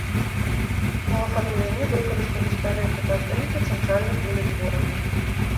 У афармленні выкарыстаны старыя фотаздымкі цэнтральных вуліц горада.